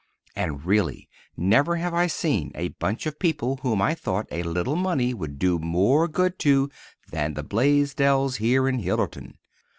And, really, never have I seen a bunch of people whom I thought a little money would do more good to than the Blaisdells here in Hillerton.